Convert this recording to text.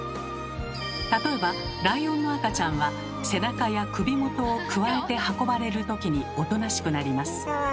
例えばライオンの赤ちゃんは背中や首もとをくわえて運ばれる時におとなしくなります。